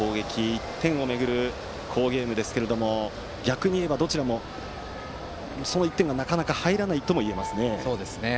１点をめぐる好ゲームですが逆にいえば、どちらもその１点がなかなか入らないともいえますね。